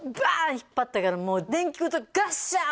引っ張ったからもう電気ごとガッシャーン！